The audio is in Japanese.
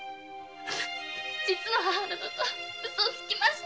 「実の母」と嘘をつきました。